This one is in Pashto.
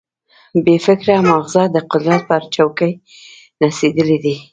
بې فکره ماغزه د قدرت پر چوکۍ نڅېدلي دي.